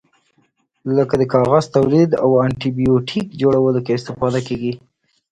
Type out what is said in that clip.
لکه د غذا تولید او انټي بیوټیک جوړولو کې استفاده کیږي.